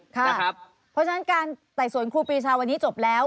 เพราะฉะนั้นการไต่สวนครูปีชาวันนี้จบแล้ว